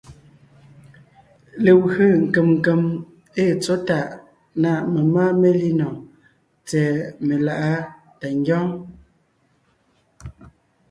Legwé nkèm nkèm ée tsɔ̌ tàʼ na memáa melínɔɔn tsɛ̀ɛ meláʼ tà ngyɔ́ɔn.